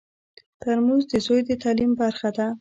ترموز د زوی د تعلیم برخه ده.